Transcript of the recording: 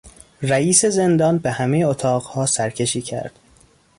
رئیس زندان به همهی اتاقها سرکشی کرد.